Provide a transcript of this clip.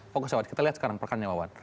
fokusnya kita lihat sekarang perkara nyewawan